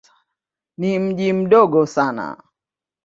Ni mji mdogo sana.